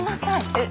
えっ。